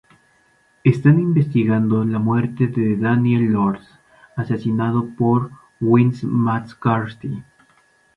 Están investigando la muerte de Damien Lord, asesinado por Dwight McCarthy.